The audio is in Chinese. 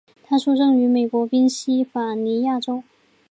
他出生于美国宾夕法尼亚州。